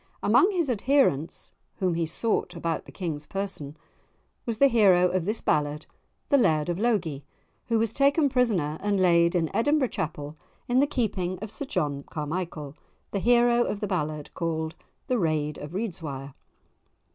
Amongst his adherents, whom he sought about the King's person, was the hero of this ballad, the Laird of Logie, who was taken prisoner and laid in Edinburgh chapel in the keeping of Sir John Carmichael, the hero of the ballad called the "Raid of Reidswire."